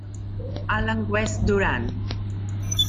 Alan West-Durán.